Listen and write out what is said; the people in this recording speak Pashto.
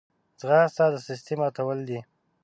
ځغاسته د سستۍ ماتول دي